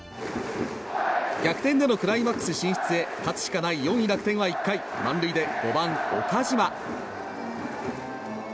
逆転でのクライマックスシリーズ進出へ勝つしかない楽天は１回満塁で５番、岡島。